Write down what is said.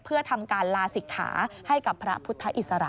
เพื่อทำการลาศิกขาให้กับพระพุทธอิสระ